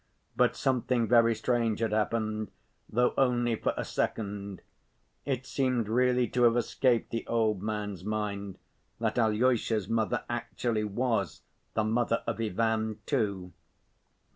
But something very strange had happened, though only for a second; it seemed really to have escaped the old man's mind that Alyosha's mother actually was the mother of Ivan too.